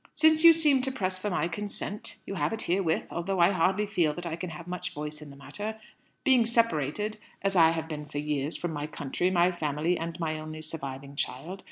Since you seem to press for my consent, you have it herewith, although I hardly feel that I can have much voice in the matter, being separated, as I have been for years, from my country, my family, and my only surviving child.